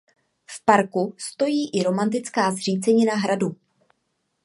V parku stojí i romantická zřícenina hradu.